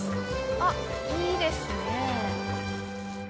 あっいいですね。